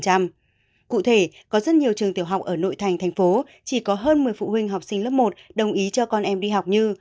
cụ thể có rất nhiều trường tiểu học ở nội thành thành phố chỉ có hơn một mươi phụ huynh học sinh lớp một đồng ý cho con em đi học như